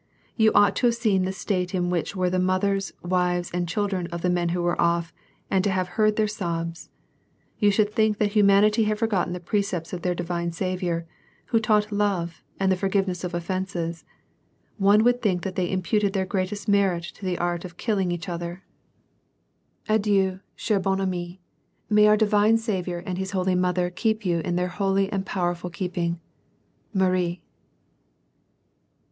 You ought to have seen the state in which were the mothers, wives and children pf the men who were off, and to have heard their sobs. You should think that humanity had forgotten the i)recei)t8 of their divine Saviour, Who taught Jove, and the forgiveness of offences; one would think that they imputed their greatest merit to the art of killing each other. ° WAR AND PEACE. Ill "Adieu, chtre et bonne amief May our divine Saviour and His Holy Mother keep you in their holy and powerful keep ing. "Marie."